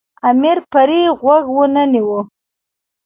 امیر پرې غوږ ونه نیوی.